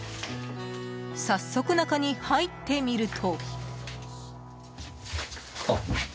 早速、中に入ってみると。